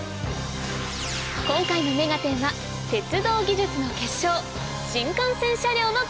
今回の『目がテン！』は鉄道技術の結晶